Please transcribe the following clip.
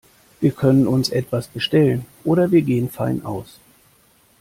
Wir können uns etwas bestellen oder wir gehen fein aus.